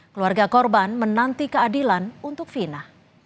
keluarga korban menanti keadilan untuk fina